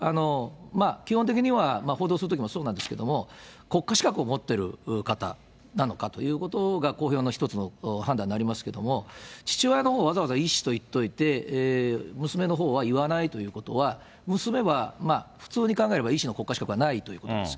基本的には、報道するときもそうなんですけども、国家資格を持っている方なのかということが、公表の１つの判断になりますけれども、父親のほうはわざわざ医師と言っておいて、娘のほうは言わないということは、娘はまあ、普通に考えれば医師の国家資格はないということです。